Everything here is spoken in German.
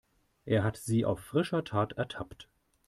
Er hat sie auf frischer Tat ertappt.